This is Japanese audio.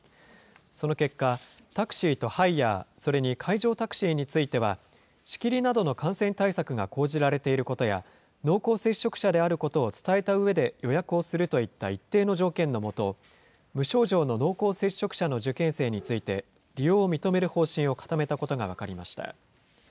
その結果、タクシーとハイヤー、それに海上タクシーについては、仕切りなどの感染対策が講じられていることや、濃厚接触者であることを伝えたうえで予約をするといった一定の条件の下、無症状の濃厚接触者の受験生について、利用を認める方針を固めたことが分かりました。